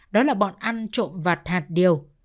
đó là bọn ăn trộm vật hạt điều